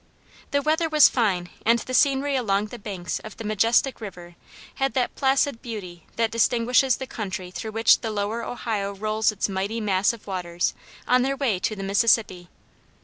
The weather was fine and the scenery along the banks of the majestic river had that placid beauty that distinguishes the country through which the lower Ohio rolls its mighty mass of waters on their way to the Mississippi.